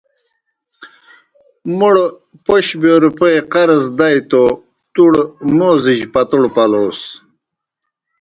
موْڑ پوْش بِیو روپیئے قرض دائے توْ تُوڑ موزِجیْ پتوڑ پلوس۔